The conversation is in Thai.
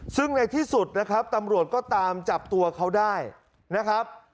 ซึ่งในที่สุดนะครับตำรวจก็ตามจับตัวเขาได้นะครับ